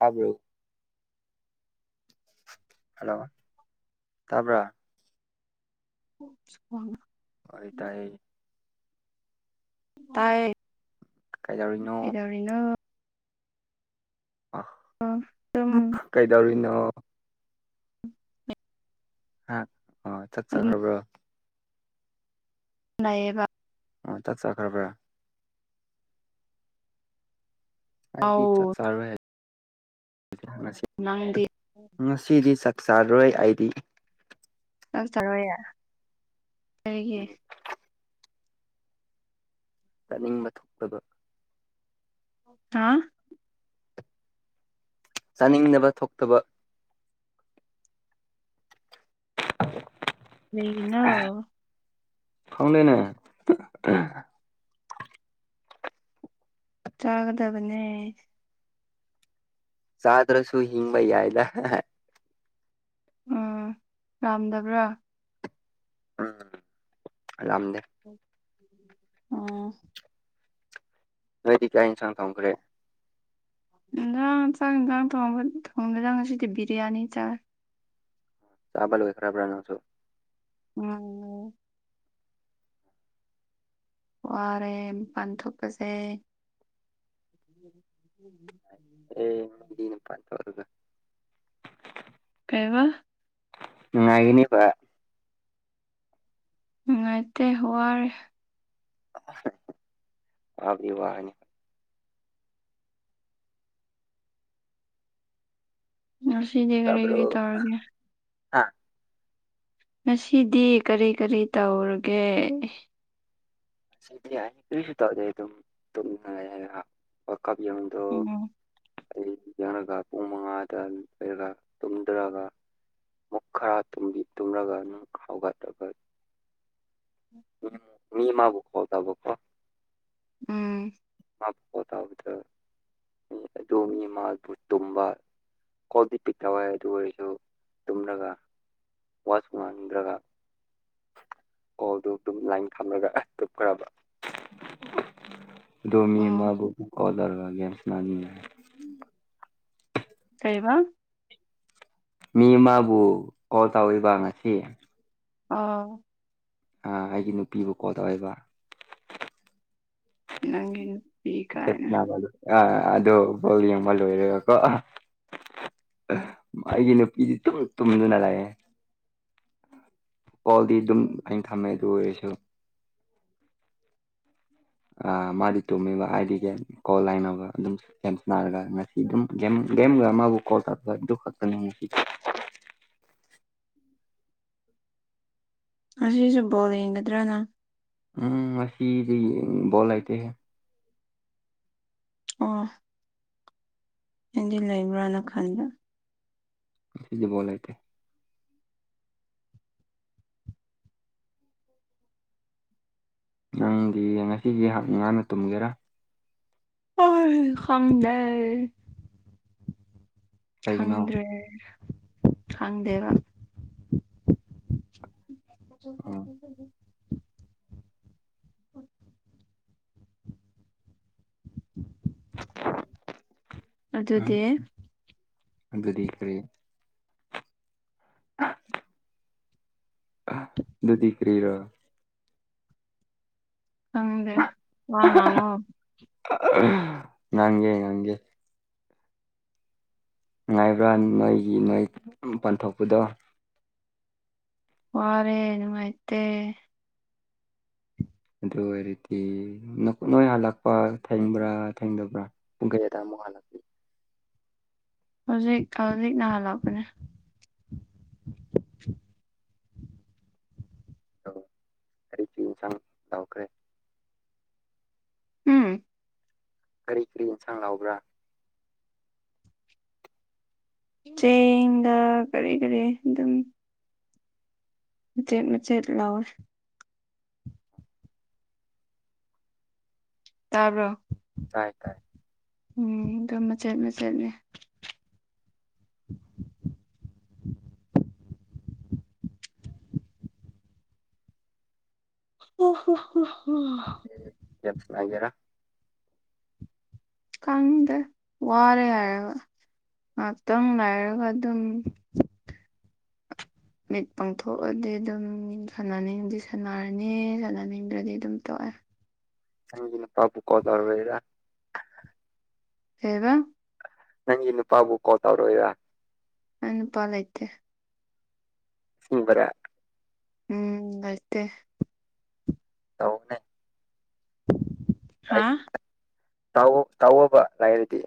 ꯑ ꯍꯜꯂꯣ ꯇꯥꯕ꯭ꯔꯥ ꯍ ꯑꯣꯏ ꯇ ꯍ ꯇꯥꯏ ꯀꯥꯏꯗꯧꯔꯤꯅꯣ ꯇꯔꯤꯅꯣ ꯑ ꯑ ꯆ ꯀꯩꯗꯧꯔꯤꯅꯣ ꯍ ꯍ ꯆꯠ ꯆ ꯑꯗꯨꯝ ꯈꯔꯒꯣ ꯅꯌꯦ ꯑꯣ ꯆꯠ ꯆꯈ꯭ꯔꯕ꯭ꯔꯥ ꯥꯏ ꯆꯠ ꯑꯧ ꯆꯔꯋ ꯅꯪꯗꯤ ꯉꯁꯤꯗꯤ ꯆꯥꯛ ꯆꯥꯔꯣꯏ ꯑꯩꯗꯤ ꯂꯥꯛꯆꯔꯣꯏꯌꯦꯦ ꯀꯔꯤꯒꯤ ꯆꯥꯅꯤꯡꯕ ꯊꯣꯛꯇꯕ ꯍꯥꯥ ꯆꯥꯅꯤꯡꯅꯕ ꯊꯣꯛꯇꯕ [inaudible] ꯂꯩꯩꯅ ꯐꯥꯎꯗꯅ ꯆꯥꯒꯗꯕꯅꯦ ꯆꯥꯗ꯭ꯔꯁꯨ ꯍꯤꯡꯕ ꯌꯥꯏꯗ ꯎꯝ ꯄꯥꯝꯗꯕ꯭ꯔꯥ ꯎꯝꯝꯗꯦ ꯎꯝ ꯅꯣꯏꯗꯤ ꯀꯥ ꯌꯦꯟꯁꯥꯡ ꯊꯝꯈ꯭ꯔꯦ ꯏꯖꯥꯡ ꯆꯥꯡ ꯏꯟꯖꯥꯡ ꯊꯣꯡꯕ ꯊꯣꯡꯗ ꯆꯪ ꯁꯤꯗꯤ ꯕꯤꯔꯌꯥꯅꯤ ꯆꯥꯏ ꯆꯥꯕ ꯂꯣꯏꯈ꯭ꯔꯕ꯭ꯔꯥ ꯅꯪꯁꯨ ꯎꯝ ꯋꯥꯔꯦ ꯄꯥꯟꯊꯣꯛꯄꯁꯦ ꯎ ꯅꯤ ꯄ ꯇꯔꯗ ꯀꯩꯕ ꯉꯉꯒꯤꯅꯤꯕ ꯎꯉꯥꯏꯇꯩ ꯍꯔ ꯑꯕꯤ ꯋꯥꯅꯤ ꯑꯁꯤꯗꯤ ꯀꯔꯤ ꯇꯥꯕ꯭ꯔꯣ ꯀꯔꯤ ꯇꯧꯔꯒꯦ ꯍꯥ ꯉꯁꯤꯗꯤ ꯀꯔꯤ ꯀꯔꯤ ꯇꯧꯔꯒꯦ ꯑꯁꯤꯗꯤ ꯑꯩ ꯀꯔꯤꯁꯨ ꯇꯧꯗꯦ ꯑꯗꯨꯝ ꯇꯨꯝꯅ ꯋꯥꯀꯞ ꯌꯗꯣ ꯎꯝ ꯑꯩ ꯌꯦꯡꯂꯡꯉꯒ ꯄꯨꯡ ꯃꯉꯥꯗ ꯂꯩꯔꯒ ꯇꯨꯝꯊ꯭ꯔꯒ ꯃꯨꯛ ꯈꯔ ꯇꯨꯝꯂꯒ ꯑꯗꯨꯪ ꯍꯧꯒꯠꯂꯒ ꯎꯝ ꯃꯤꯃꯕꯨ ꯀꯣꯜ ꯇꯥꯕꯀꯣ ꯎꯝ ꯃꯥ ꯄꯣ ꯇꯥꯕꯗ ꯑꯗꯣꯝꯒꯤ ꯃꯥꯗꯨ ꯇꯨꯝꯕ ꯀꯣꯜꯗꯤ ꯄꯤꯛ ꯇꯧꯋꯏ ꯑꯗꯨ ꯑꯣꯏꯔꯁꯨ ꯇꯨꯝꯂꯒ ꯋꯥꯁꯨ ꯉꯥꯡꯗ꯭ꯔꯒ ꯑꯣꯗꯨ ꯑꯗꯨꯝ ꯂꯥꯏꯟ ꯊꯝꯂꯒ ꯇꯞꯈ꯭ꯔꯕ ꯗꯣꯃꯤ ꯑꯣ ꯑꯃꯕꯨ ꯑꯣ ꯗꯔꯒꯥꯒꯦꯦꯝꯁꯅꯖꯤꯅꯦ ꯀꯩꯕ ꯃꯤ ꯃꯥꯕꯨ ꯀꯣꯜ ꯇꯧꯕ ꯉꯁꯤ ꯑꯥ ꯑꯩꯒꯤ ꯅꯨꯄꯤꯕꯨ ꯀꯣꯜ ꯇꯧꯋꯦꯕ ꯅꯪꯒꯤ ꯅꯨ [unintelligible] ꯑꯥ ꯑꯗꯣ ꯕꯣꯜ ꯌꯦꯡꯕ ꯂꯣꯏꯔꯦꯒꯀꯣ ꯃꯥꯏꯒꯤ ꯅꯨꯄꯤꯗꯤ ꯇꯨꯝ ꯇꯨꯝꯗꯨꯅ ꯂꯥꯌꯦ ꯀꯣꯜꯗꯤ ꯑꯗꯨꯝ ꯑꯩꯅ ꯊꯝꯃꯦ ꯑꯗꯨ ꯑꯣꯏꯔꯁꯨ ꯃꯥꯗꯤ ꯇꯨꯝꯃꯤꯕ ꯍꯥꯏꯗꯤꯒ ꯀꯣꯜ ꯂꯥꯏꯅꯕ ꯑꯗꯨꯝ ꯒꯦꯝ ꯁꯅꯔꯒ ꯉꯁꯤ ꯑꯗꯨꯝ ꯒꯦꯝꯒ ꯃꯥꯕꯨ ꯀꯣꯜ ꯇꯥ ꯑꯗꯨ ꯈꯛꯇꯅꯤ ꯉꯁꯤ ꯉꯁꯤꯁꯨ ꯕꯣꯜ ꯌꯦꯡꯒꯗ꯭ꯔꯥ ꯅꯪ ꯎꯝ ꯉꯁꯤꯗꯤ ꯕꯣꯜ ꯂꯩꯇꯦꯍꯦ ꯑꯣ ꯑꯗꯤ ꯂꯩꯕ꯭ꯔꯅ ꯈꯟꯕ ꯉꯁꯤꯗꯤ ꯕꯣꯜ ꯂꯩꯇꯦ ꯅꯪꯗꯤ ꯉꯁꯤꯒꯤ ꯍꯥꯛ ꯉꯥꯟꯅ ꯇꯨꯝꯒꯦꯔꯥ ꯑꯥꯏ ꯈꯪꯗꯦ ꯀꯩꯒꯤꯅꯣ ꯈꯪꯗ꯭ꯔꯦ ꯈꯪꯗꯦꯕ ꯎꯝ ꯎꯝ ꯑꯗꯨꯗꯤ ꯑꯗꯨꯗꯤ ꯀꯔꯤ [unintelligible] ꯑꯗꯨꯗꯤ ꯀ꯭ꯔꯤꯔꯣ ꯈꯪꯗꯦ ꯋꯥ ꯉꯥꯡꯉꯣ [unintelligible] ꯉꯥꯡꯒꯦ ꯉꯥꯡꯒꯦ ꯉꯥꯏꯕ꯭ꯔꯥ ꯅꯣꯏꯒꯤ ꯅꯣꯏ ꯄꯥꯟꯊꯣꯛꯄꯗꯣ ꯋꯥꯔꯦ ꯅꯨꯡꯉꯥꯏꯇꯦ ꯑꯗꯨ ꯑꯣꯏꯔꯗꯤ ꯅꯣꯏ ꯍꯜꯂꯛꯄ ꯊꯦꯡꯕ꯭ꯔꯥ ꯊꯦꯡꯗꯕ꯭ꯔꯥ ꯄꯨꯡ ꯀꯥꯌꯥꯗ ꯑꯃꯨꯛ ꯍꯜꯂꯛ ꯍꯧꯖꯤꯛ ꯍꯧꯖꯤꯛ ꯅꯍꯜ ꯂꯛꯄꯅꯦ ꯑꯗꯣ ꯀꯔꯤ ꯀꯔꯤ ꯏꯟꯁꯥꯡ ꯇꯧꯈꯔꯦ ꯎꯝ ꯀꯔꯤ ꯀꯔꯤ ꯌꯦꯟꯁꯥꯡ ꯂꯥꯎꯕ꯭ꯔꯥ ꯆꯦꯡꯒ ꯀꯔꯤ ꯀꯔꯤ ꯑꯗꯨꯝ ꯃꯆꯦꯠ ꯃꯆꯦꯠ ꯂꯥꯎꯋꯦ ꯇꯥꯕꯔꯣ ꯇꯥꯏ ꯇꯥꯏ ꯎꯝ ꯑꯗꯨ ꯃꯆꯦꯠ ꯃꯆꯦꯠꯅꯦ ꯑꯣ ꯍꯣ ꯍꯣ ꯍꯣ ꯍꯣ ꯒꯦꯝ ꯁꯅꯥꯒꯦꯔꯥ ꯈꯪꯗꯦ ꯋꯥꯔꯦ ꯍꯥꯏꯔꯒ ꯉꯥꯏꯍꯥꯛꯇꯪ ꯂꯥꯏꯔꯒ ꯑꯗꯨꯝ ꯃꯤꯠ ꯄꯥꯡꯊꯣꯛꯑꯗꯤ ꯑꯗꯨꯝ ꯁꯥꯟꯅꯅꯤꯡꯉꯗꯤ ꯁꯥꯟꯅꯔꯅꯤ ꯁꯥꯟꯅꯅꯤꯡꯗ꯭ꯔꯗꯤ ꯑꯗꯨꯝ ꯇꯣꯛꯑꯦ ꯅꯪꯒꯤ ꯅꯨꯄꯥꯕꯨ ꯀꯣꯜ ꯇꯧꯔꯒꯦꯔꯥ ꯀꯩꯕꯥ ꯅꯪꯒꯤ ꯅꯨꯄꯥꯕꯨ ꯀꯣꯜ ꯇꯧꯔꯨꯏꯔꯥ ꯑꯩ ꯅꯨꯄꯥ ꯂꯩꯇꯦ ꯑꯁꯦꯡꯕꯥꯔꯥ ꯎꯝ ꯂꯩꯇꯦ ꯇꯧꯍꯦ [unintelligible] ꯇꯥꯎ ꯇꯥꯎꯑꯣꯕ ꯂꯥꯏꯔꯗꯤ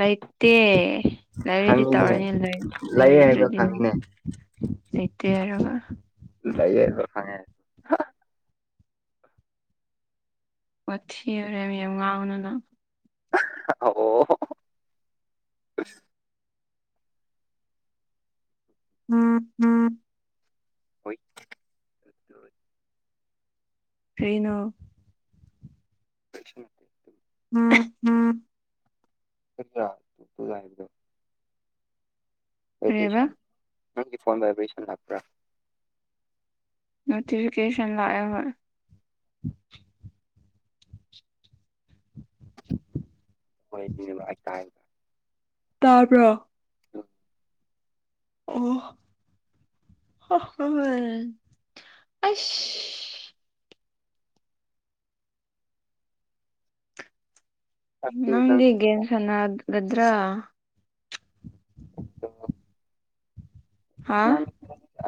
ꯂꯩꯇꯦ ꯂꯩꯥꯏꯔꯤꯗꯤ ꯈꯪꯉꯤꯅꯦ ꯇꯧꯔꯅꯤ ꯂꯩꯌꯦ ꯍꯥꯏꯕ ꯂꯩꯔꯗ꯭ꯔꯗꯤ ꯈꯪꯉꯤꯅꯦ ꯂꯩꯇꯦ ꯍꯥꯏꯔꯒ ꯂꯩꯌꯦ ꯍꯥꯏꯕ ꯈꯪꯉꯦ ꯋꯥꯊꯤ ꯆꯥꯔꯦꯝ ꯌꯥꯝ ꯉꯥꯡꯒꯅꯨ ꯅꯪ꯫ ꯑ ꯑꯣ ꯑꯣ ꯎꯝ ꯎꯝ ꯍꯣꯏ ꯀꯩꯅꯣ ꯄꯁꯟ ꯎꯝ ꯐꯠꯇ꯭ꯔꯥ ꯅꯇꯨ ꯉꯥꯕꯗꯣ ꯀꯔꯤꯕ ꯚꯥꯏꯕ꯭ꯔꯦꯁꯟ ꯅꯪꯒꯤ ꯐꯣꯟ ꯚꯥꯏꯕ꯭ꯔꯦꯁꯟ ꯂꯥꯛꯄ꯭ꯔꯥ ꯅꯣꯇꯤꯐꯤꯀꯦꯁꯟ ꯂꯥꯑꯦ ꯍꯣꯏ ꯍꯣꯏ ꯑꯗꯨꯅꯦꯕ ꯑꯩ ꯇꯥꯏ ꯇꯥꯕ꯭ꯔꯣ ꯑꯣ ꯑꯣ ꯍ ꯑꯁ ꯑꯗꯨ ꯅꯪꯗꯤ ꯒꯦꯝꯁꯥꯅ ꯒꯗ꯭ꯔꯥ ꯍꯥ ꯅꯪ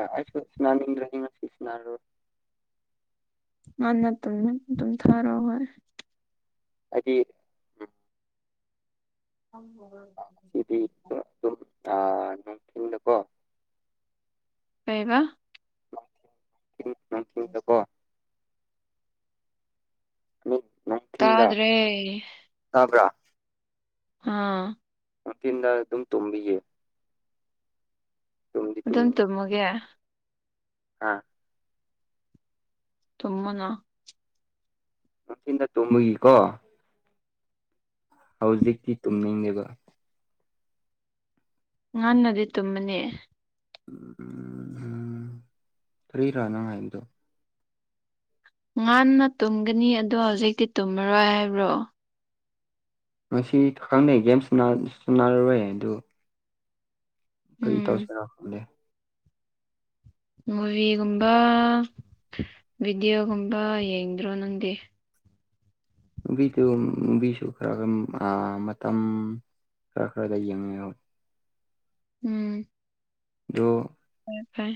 ꯑꯩꯁꯨ ꯁꯥꯅꯅꯤꯡꯗ꯭ꯔꯥꯗꯤ ꯉꯥꯁꯤ ꯁꯥꯅꯔꯣꯏ ꯉꯟꯅ ꯇꯨꯝꯅꯤ ꯇꯨꯝꯊꯔꯣ ꯍꯣꯏ ꯍꯥꯏꯗꯤ ꯑꯣ ꯍꯎꯗ ꯏꯕꯥ ꯑꯥ ꯅꯨꯡꯊꯤꯡꯗꯀꯣ ꯀꯩ ꯍꯥꯏꯕ ꯅꯨꯡ ꯅꯨꯡꯊꯤꯡꯗꯀꯣ ꯇꯥꯗ꯭ꯔꯦ ꯇꯕ꯭ꯔꯥ ꯍꯥꯥ ꯅꯨꯡꯊꯤꯟꯗ ꯑꯗꯨꯝ ꯇꯣꯝꯕꯤꯒꯦ ꯑꯗꯨꯝ ꯇꯨꯝꯃꯒꯦ ꯑꯥ ꯁꯨꯃꯅ ꯅꯨꯡꯊꯤꯟꯗ ꯇꯣꯡꯕꯒꯤꯀꯣ ꯍꯧꯖꯤꯛꯇꯤ ꯇꯨꯝꯅꯤꯡꯉꯕ ꯉꯥꯟꯟꯅꯗꯤ ꯇꯨꯝꯃꯅꯦ ꯐ꯭ꯔꯔꯤ ꯔꯅ ꯍꯥꯏꯗꯣ ꯉꯥꯟꯟꯅ ꯇꯨꯝꯒꯅꯤ ꯑꯗꯣ ꯍꯧꯖꯤꯛꯇꯤ ꯇꯨꯝꯃꯔꯣꯏ ꯍꯥꯏꯕ꯭ꯔꯣ ꯉꯁꯤꯈꯪꯅꯩ ꯒꯦꯝꯁꯨ ꯁ ꯔꯔꯣꯏꯦ ꯑꯗꯨ ꯀꯔꯤ ꯎꯝ ꯇꯧꯁꯤꯔꯛꯕꯅꯦ ꯃꯨꯚꯤꯒꯨꯝꯕ ꯚꯤꯗꯤꯑꯣꯒꯨꯝꯕ ꯌꯦꯡꯗ꯭ꯔꯣ ꯅꯪꯗꯤ ꯃꯕꯤꯗꯨ ꯃꯕꯤꯁꯨ ꯈꯔ ꯈꯔ ꯃꯇꯝ ꯈꯔ ꯈꯔꯗ ꯌꯦꯡꯉꯦ ꯎꯝ ꯑꯗꯨ ꯐꯣꯏ ꯐꯣꯏ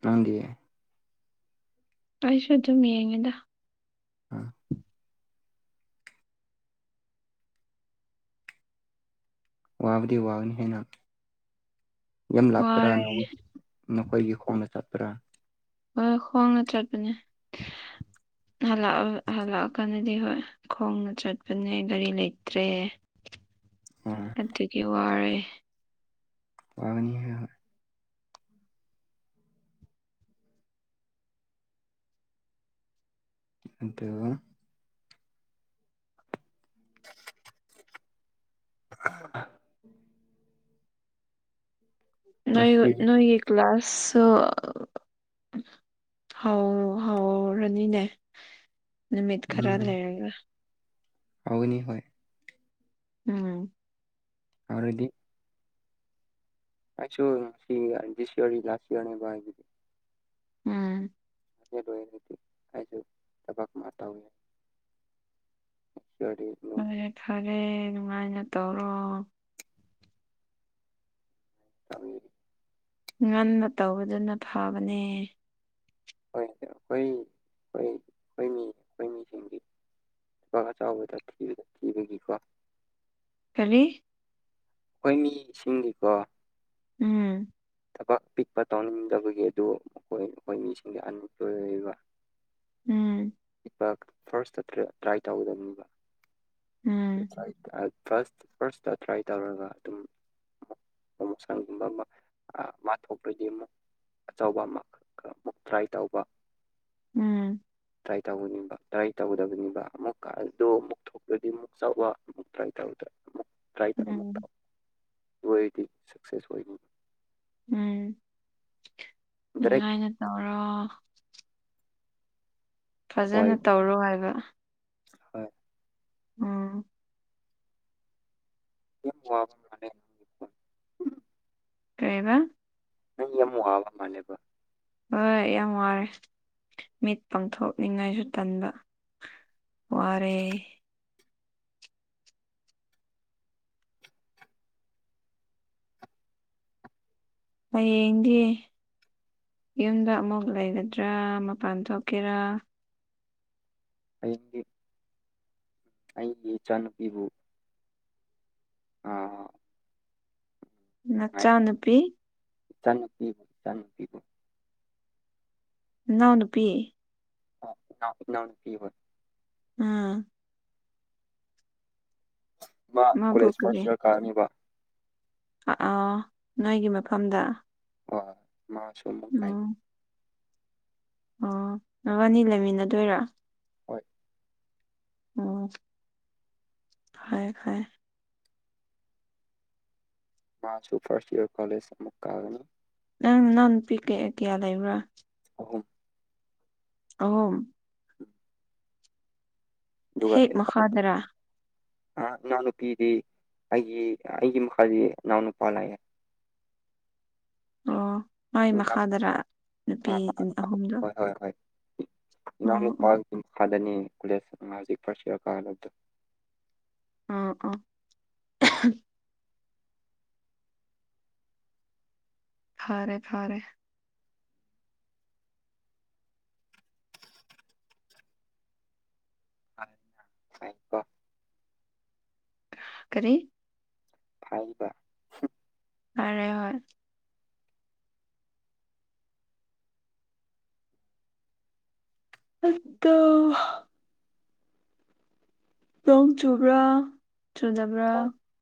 ꯄꯪꯒꯤ ꯄꯥꯏꯁꯨ ꯑꯗꯨꯝ ꯌꯦꯡꯉꯦꯗ ꯎꯝ ꯋꯥꯕꯗꯤ ꯋꯥꯅꯤ ꯍꯥꯏꯅ ꯌꯥꯝ ꯂꯥꯞꯄ꯭ꯔꯥꯅ ꯋꯥꯔꯦ ꯅꯈꯣꯏꯒꯤ ꯈꯣꯡꯅ ꯆꯠꯄ꯭ꯔꯥ ꯍꯣꯏ ꯍꯣꯡꯅ ꯆꯠꯄꯅꯦ ꯍꯜꯂꯛꯑꯀꯥꯟꯗꯗꯤ ꯍꯣꯏ ꯈꯣꯡꯅ ꯆꯠꯄꯅꯦ ꯒꯥꯔꯤ ꯂꯩꯇ꯭ꯔꯦ ꯎꯝ ꯑꯗꯨꯗꯒꯤ ꯋꯥꯔꯦ ꯋꯥꯅꯤ ꯍꯥꯏ ꯍꯣꯏ ꯑꯇ [unintelligible] ꯑ ꯅ ꯉꯁꯤ ꯅꯣꯏꯒꯤ ꯀ꯭ꯂꯥꯁ ꯍꯥꯎ ꯍꯥꯎ ꯔꯅꯤꯅꯦ ꯅꯨꯃꯤꯠ ꯈꯔ ꯂꯩꯔꯒ ꯑꯥꯥꯎꯅꯤ ꯍ ꯎꯝ ꯍꯧꯔꯗꯤ ꯑꯁꯨꯣ ꯁꯤꯗꯤ ꯁꯤ ꯋꯥ ꯂꯁꯤ ꯋꯥꯅꯤꯕꯗꯤ ꯎꯝ ꯁꯨ ꯊꯕꯛ ꯃꯥ ꯇ ꯑ ꯐꯔꯦ ꯐꯔꯦ ꯅꯨꯡꯉꯥꯏꯅ ꯇꯧꯔꯣ ꯇꯝ ꯉꯟꯕ ꯇꯧꯕꯗꯨꯅ ꯐꯕꯅꯦ ꯍꯣꯏ ꯑꯩꯈꯣꯏ ꯑꯩꯣꯏꯅꯤ ꯕꯥꯛ ꯑꯆꯥꯎꯕꯗ ꯊꯤꯕꯗ ꯊꯤꯕꯒꯤꯀꯣ ꯍꯥꯏꯅꯤ ꯑꯩꯈꯣꯏ ꯃꯤꯁꯤꯡꯒꯤꯗꯤꯀꯣ ꯎꯝ ꯊꯕꯛ ꯄꯤꯛꯄ ꯇꯧꯅꯤꯡꯗꯕꯒꯤ ꯑꯗꯨ ꯑꯩꯈꯣꯏ ꯑꯩꯈꯣꯏ ꯃꯤꯁꯤꯡꯗ ꯑꯟꯏꯝꯄ꯭ꯂꯣꯏ ꯑꯣꯏꯕ ꯎꯝ ꯏ ꯐꯥꯔꯁꯇ ꯇ꯭ꯔꯥꯏ ꯇꯧꯒꯗꯅꯤꯕ ꯎꯝ ꯐꯥꯔ ꯐꯥꯔꯁꯇ ꯇ꯭ꯔꯥꯏ ꯇꯧꯔꯒ ꯑꯗꯨꯝ ꯄ꯭ꯔꯣꯃꯣꯁꯟꯒꯨꯝꯕ ꯑꯃ ꯃꯥ ꯊꯣꯛꯇ꯭ꯔꯗꯤ ꯑꯃꯨꯛ ꯑꯆꯧꯕ ꯑꯃ ꯑꯃꯨꯛ ꯇ꯭ꯔꯥꯏ ꯇꯧꯕ ꯎꯝ ꯇ꯭ꯔꯥꯏ ꯇꯧꯅꯤꯕ ꯇ꯭ꯔꯥꯏ ꯇꯧꯗꯕꯅꯤꯕ ꯑꯃꯨꯛꯀ ꯑꯗꯨꯣ ꯑꯃꯨꯛ ꯊꯣꯛꯛꯇꯗꯤ ꯑꯃꯨꯛ ꯆꯥꯎꯕ ꯑꯃꯨꯛ ꯀꯥꯏ ꯇꯧꯔꯗ꯭ꯔꯦ ꯑꯃꯨ ꯇ꯭ꯔꯥꯏ ꯇ ꯑꯃꯨꯛ ꯇ ꯎꯝ ꯑꯣꯏꯣꯏꯔꯗꯤ ꯁꯛꯁꯦꯁ ꯑꯣꯏꯒꯅꯤ ꯎꯝ ꯗꯥꯏꯔꯦꯛ ꯅꯨꯡꯉꯥꯏꯅ ꯇꯧꯔꯣ ꯍꯣꯏ ꯐꯖꯅ ꯇꯧꯔꯣ ꯍꯥꯏꯕ ꯍꯣꯏ ꯎꯝ ꯀ ꯋꯥꯕꯅꯦ ꯀꯩꯕ ꯅꯪ ꯑꯃꯨꯛ ꯑꯕ ꯃꯥꯥꯟꯅꯦꯕ ꯍꯣꯏ ꯌꯥꯝ ꯋꯥꯔꯦ ꯃꯤꯠ ꯄꯥꯡꯊꯣꯛꯅꯤꯉꯥꯏꯁꯨ ꯇꯟꯕ ꯋꯥ ꯔꯩ ꯑ ꯍꯌꯦꯡꯗꯤ ꯌꯨꯝꯗ ꯑꯃꯨꯛ ꯂꯩꯒꯗ꯭ꯔꯥ ꯃꯄꯥꯟ ꯊꯣꯛꯀꯦꯔꯥ ꯑꯩꯗꯤ ꯑꯩꯒꯤ ꯏꯆꯥꯅꯨꯄꯤꯕꯨ ꯑ ꯃꯆꯥꯅꯨꯄꯤ ꯏꯆꯥꯅꯨꯄꯤꯕꯨ ꯏꯆꯥꯅꯨꯄꯤꯕꯨ ꯏꯅꯥꯎ ꯅꯨꯄꯤ ꯏꯅꯥꯎ ꯅꯨꯄꯤꯕ ꯑꯝ ꯃꯥ ꯃꯥꯕꯨ ꯀꯂ꯭ꯦꯁ ꯐꯔꯁ ꯀꯔꯤ ꯏꯌꯥꯔ ꯀꯥꯅꯤꯕ ꯑꯥ ꯅꯣꯏꯒꯤ ꯃꯐꯝꯗ ꯋꯥ ꯃꯥ ꯁꯣꯃꯥꯏ ꯎꯝ ꯑꯣ ꯅꯕꯥꯅꯤ ꯂꯩꯃꯤꯟꯅꯗꯣꯏꯔꯥ ꯍꯣꯏ ꯎꯝ ꯐꯩꯑꯦ ꯐꯩꯑꯦ ꯃꯥꯁꯨꯨ ꯐꯔꯁ ꯏꯌꯔ ꯀꯂꯦꯖ ꯑꯃꯨꯛ ꯀꯒꯅꯤ ꯅꯪ ꯅꯪ ꯅꯨꯄꯤ ꯀꯩ ꯀꯌꯥ ꯂꯩꯕ꯭ꯔꯥ ꯑꯍꯨꯝ ꯑꯍꯨꯝ ꯍꯦꯛ ꯃꯈꯗ꯭ꯔꯥ ꯑ ꯏꯅꯥꯎꯅꯨꯄꯤꯗꯤ ꯑꯩꯒꯤ ꯑꯩꯒꯤ ꯃꯈꯥꯗꯤ ꯏꯅꯥꯎ ꯅꯨꯄꯥ ꯂꯩꯑꯦ ꯑꯣ ꯃꯥꯥꯏ ꯏꯅꯥꯎ ꯃꯈꯥꯗꯔ ꯅꯨꯄꯤ ꯑꯍꯨꯝꯗꯣ ꯅ ꯑꯣ ꯄ ꯑꯣ ꯐꯗꯅꯤ ꯀꯁ ꯃꯥꯖꯤ ꯐꯁꯤꯔ ꯀꯥꯂ ꯑ ꯑꯥ ꯐꯔꯦ ꯐꯔꯦ ꯇꯀꯣ ꯀꯔꯤ ꯐꯥꯏꯕ ꯐꯔꯦ ꯍꯣꯏ ꯑꯗꯣ ꯅꯣꯡ ꯆꯨꯕ꯭ꯔꯥ ꯆꯨꯖꯕ꯭ꯔꯥ